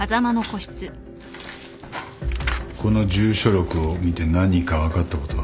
この住所録を見て何か分かったことは？